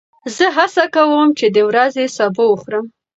زه هڅه کوم چې د ورځې سبو وخورم.